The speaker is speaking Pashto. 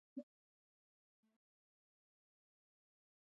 افغانستان کې د دریابونه په اړه زده کړه کېږي.